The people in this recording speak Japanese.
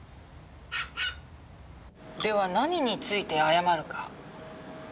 では何について謝るか。